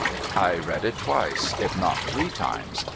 I read it twice, if not three times.